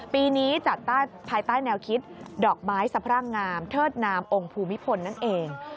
ปีนี้จัดภายใต้แนวคิดดอกไม้สะพรั่งงามเทิดนามองค์ภูมิพลนั่นเอง